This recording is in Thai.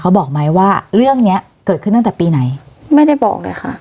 บอกไหมว่าเรื่องเนี้ยเกิดขึ้นตั้งแต่ปีไหนไม่ได้บอกเลยค่ะ